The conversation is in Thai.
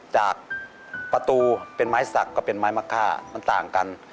จากประตูเป็นไม้สักก็เป็นไม้มะค่ามันต่างกัน